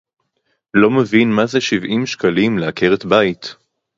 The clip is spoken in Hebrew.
לא מבין מה זה שבעים שקלים לעקרת בית